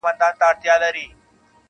خریدار به دي راغلی د اوربل وي -